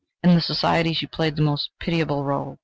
In society she played the most pitiable role.